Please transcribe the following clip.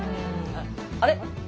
あれ？